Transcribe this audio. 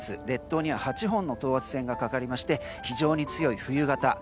列島には８本の等圧線がかかりまして非常に強い冬型。